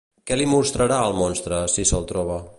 Què li mostrarà al monstre, si se'l troba?